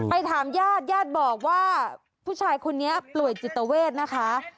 ถามญาติญาติบอกว่าผู้ชายคนนี้ป่วยจิตเวทนะคะ